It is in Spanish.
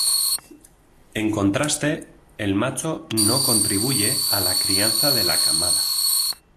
En contraste, el macho no contribuye a la crianza de la camada.